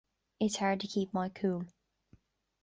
It's hard to keep my cool.